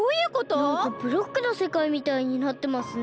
なんかブロックのせかいみたいになってますね。